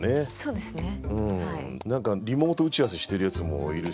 何かリモート打ち合わせしてるやつもいるしね。